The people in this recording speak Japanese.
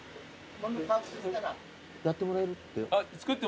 やってもらえるって。